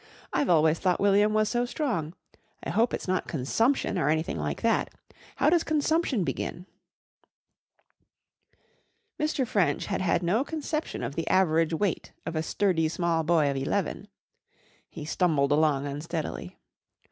I've always thought William was so strong. I hope it's not consumption or anything like that. How does consumption begin?" Mr. French had had no conception of the average weight of a sturdy small boy of eleven. He stumbled along unsteadily.